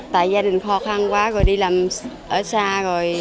tại gia đình khó khăn quá rồi đi làm ở xa rồi